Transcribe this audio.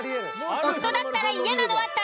夫だったら嫌なのは誰？